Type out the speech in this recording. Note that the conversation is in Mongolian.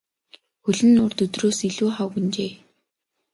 Хөл нь урд өдрөөс илүү хавагнажээ.